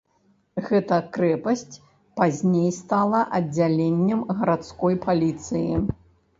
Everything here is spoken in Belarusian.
Гэта крэпасць пазней стала аддзяленнем гарадской паліцыі.